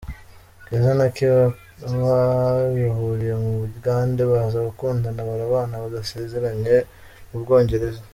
Keza na Kikaawa bahuriye mu Bugande baza gukundana baranabana badasezeranye mu Bwongereza.